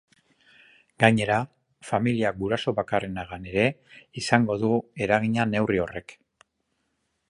Gainera, familia gurasobakarrenagan ere izango du eragina neurri horrek.